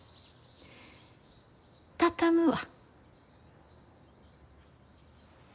畳むわ。